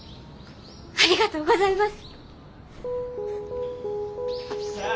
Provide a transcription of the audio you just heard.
ありがとうございます！